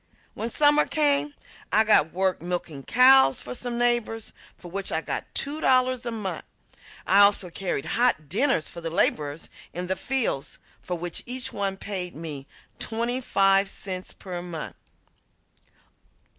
When summer came I got work milking cows for some neighbors, for which I got two dollars a month. I also carried hot dinners for the laborers in the fields, for which each one paid me twenty five cents per month.